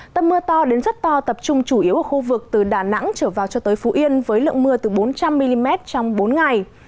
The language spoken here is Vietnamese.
tâm mưa to đến rất to tập trung chủ yếu ở khu vực từ đà nẵng trở vào cho tới phú yên với lượng mưa từ bốn trăm linh mm trong bốn ngày